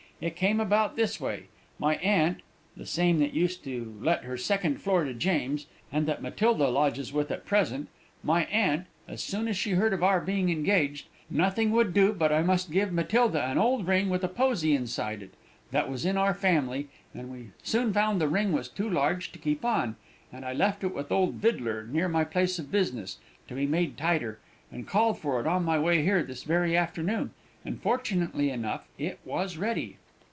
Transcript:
It came about this way: my aunt (the same that used to let her second floor to James, and that Matilda lodges with at present), my aunt, as soon as she heard of our being engaged, nothing would do but I must give Matilda an old ring with a posy inside it, that was in our family, and we soon found the ring was too large to keep on, and I left it with old Vidler, near my place of business, to be made tighter, and called for it on my way here this very afternoon, and fortunately enough it was ready."